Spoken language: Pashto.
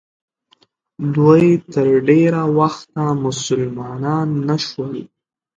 دوی تر ډېره وخته مسلمانان نه شول.